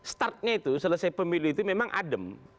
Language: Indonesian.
startnya itu selesai pemilu itu memang adem